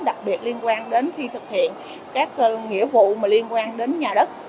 đặc biệt liên quan đến khi thực hiện các nghĩa vụ liên quan đến nhà đất